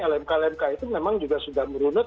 lmk lmk itu memang juga sudah merunut